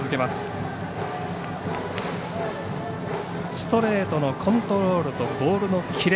ストレートのコントロールとボールのキレ。